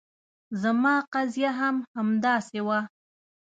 زما قضیه هم همداسې وه.